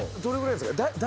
どれぐらいですか？